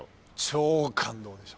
超感動でした。